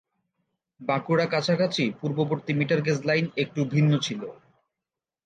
বাঁকুড়া কাছাকাছি পূর্ববর্তী metre gauge line একটু ভিন্ন ছিল।